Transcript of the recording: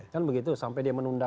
kan begitu sampai dia menunda